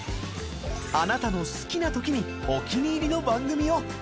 あなたの好きな時にお気に入りの番組を。